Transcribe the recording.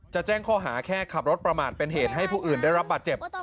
แจ้งข้อหาแค่ขับรถประมาทเป็นเหตุให้ผู้อื่นได้รับบาดเจ็บ